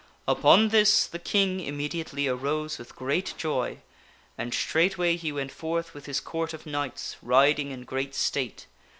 Upon this the King immediately arose with great joy, and straightway he went forth with his Court of Knights, riding in great state.